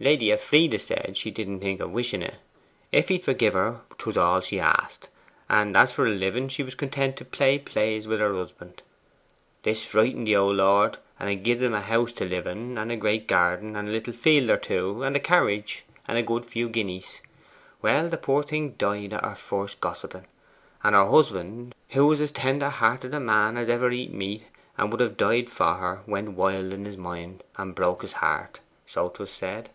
Lady Elfride said she didn't think of wishing it; if he'd forgie her 'twas all she asked, and as for a living, she was content to play plays with her husband. This frightened the old lord, and 'a gie'd 'em a house to live in, and a great garden, and a little field or two, and a carriage, and a good few guineas. Well, the poor thing died at her first gossiping, and her husband who was as tender hearted a man as ever eat meat, and would have died for her went wild in his mind, and broke his heart (so 'twas said).